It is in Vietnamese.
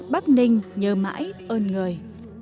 bắc ninh nhớ mãi ơn người